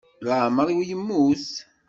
Iɛemmer-iw yemmut.